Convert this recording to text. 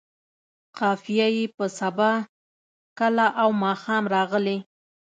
قافیه یې په سبا، کله او ماښام راغلې.